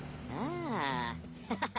アハハハ。